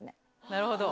なるほど。